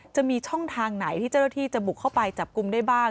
จะมีช่องทางไหนที่เจ้าหน้าที่จะบุกเข้าไปจับกลุ่มได้บ้าง